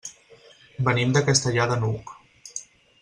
Venim de Castellar de n'Hug.